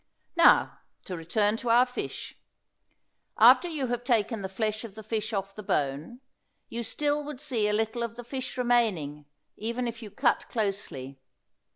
Now to return to our fish. After you have taken the flesh of the fish off the bone, you still would see a little of the fish remaining, even if you cut closely.